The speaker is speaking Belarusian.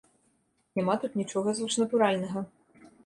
Няма тут нічога звышнатуральнага.